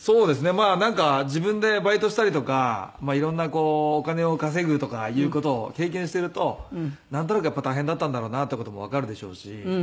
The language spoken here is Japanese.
まあなんか自分でバイトしたりとか色んなお金を稼ぐとかいう事を経験しているとなんとなくやっぱり大変だったんだろうなっていう事もわかるでしょうし。